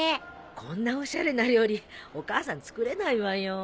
こんなおしゃれな料理お母さん作れないわよ。